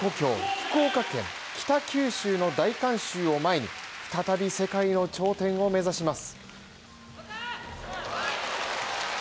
福岡県北九州の大観衆を前に再び世界の頂点を目指します。